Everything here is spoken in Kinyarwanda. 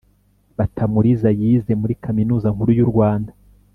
Batamuriza yize muri Kaminuza Nkuru y’u Rwanda